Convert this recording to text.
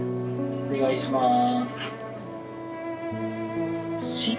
「お願いします」。